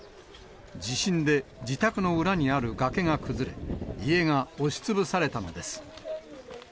地震で自宅の裏にある崖が崩れ、家が押しつぶされたのです。